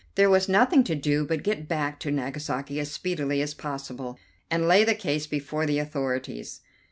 There was nothing to do but get back to Nagasaki as speedily as possible, and lay the case before the authorities.